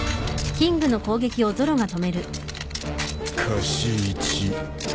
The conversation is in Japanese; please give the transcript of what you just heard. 貸し１。